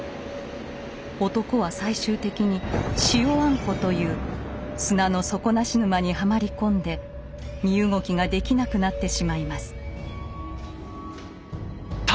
男は最終的に「塩あんこ」という砂の底なし沼にはまり込んで身動きができなくなってしまいます。